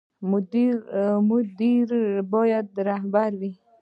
مدیر باید رهبر وي